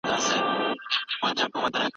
د پوهنتون اصول په پوره توګه رعایت کړه.